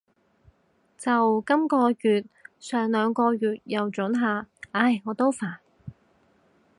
就今个月，上兩個月又准下。唉，我都煩